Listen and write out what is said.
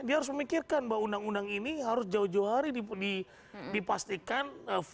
dia harus memikirkan bahwa undang undang ini harus jauh jauh hari dipastikan